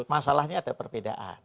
masalahnya ada perbedaan